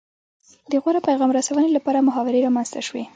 د غوره پیغام رسونې لپاره محاورې رامنځته شوې